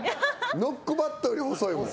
ノックバットより細いもん。